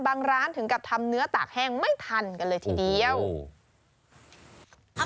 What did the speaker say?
ร้านถึงกับทำเนื้อตากแห้งไม่ทันกันเลยทีเดียว